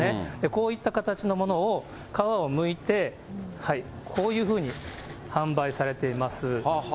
こういった形のものを皮をむいて、こういうふうに販売されています。